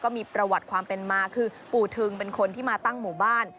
มีประวัติความเป็นมาคือปู่ทึงเป็นคนที่มาตั้งหมู่บ้าน